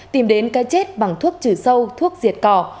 tìm đến cái chết bằng thuốc trừ sâu thuốc diệt cỏ